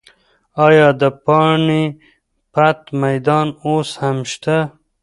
ایا د پاني پت میدان اوس هم شته؟